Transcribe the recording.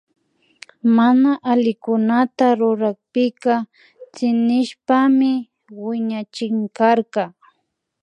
Mana allikunata rurakpika tsinishpami wiñachinkarka